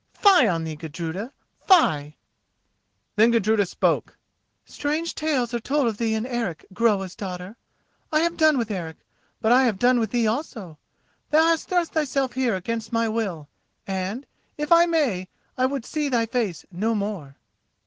—fie on thee, Gudruda! fie!" Then Gudruda spoke: "Strange tales are told of thee and Eric, Groa's daughter! I have done with Eric, but I have done with thee also. Thou hast thrust thyself here against my will and, if I may, I would see thy face no more."